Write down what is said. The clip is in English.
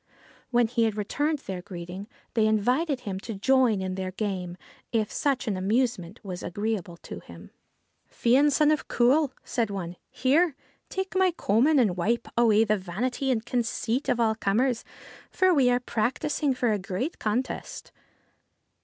When he had returned their greeting, they invited him to join them in their game if such an amusement was agreeable to him. ' Fion, son of Cumhail,' said one, ' here, take my coman and wipe away the vanity and conceit of all comers, for we are practising for a great contest.'